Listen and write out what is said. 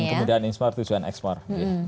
kampingat dan kemudian impor tujuan ekspor